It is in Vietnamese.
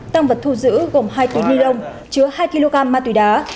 tăng vật thu giữ gồm hai túi ni lông chứa hai kg ma túy đá